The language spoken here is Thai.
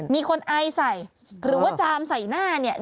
มีคนไอใส่หรือว่าจามใส่หน้าเนี่ย